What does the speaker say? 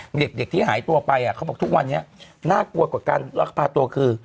เด็กที่หายตัวไปเขาบอกทุกวันนี้น่ากลัวกว่าการลักพาตัวคือ